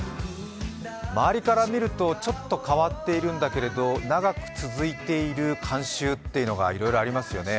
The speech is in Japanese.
周りから見るとちょっと変わっているんだけど、長く続いている慣習っていうのがいろいろありますよね